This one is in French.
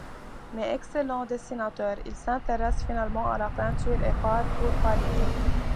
Mais, excellent dessinateur, il s’intéresse finalement à la peinture et part pour Paris.